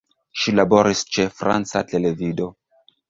Ŝi laboris ĉe franca televido.